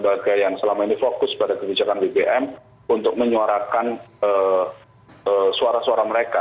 lembaga yang selama ini fokus pada kebijakan bbm untuk menyuarakan suara suara mereka